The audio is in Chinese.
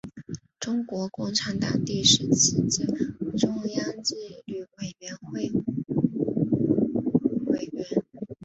中国共产党第十七届中央纪律检查委员会委员。